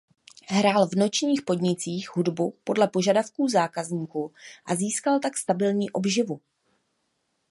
Hrál v nočních podnicích hudbu podle požadavků zákazníků a získal tak stabilní obživu.